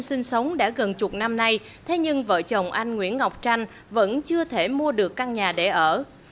hồ chí minh sinh sống đã gần chục năm nay thế nhưng vợ chồng anh nguyễn ngọc tranh vẫn chưa thể mua được căn nhà để ở